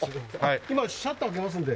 今シャッター開けますので。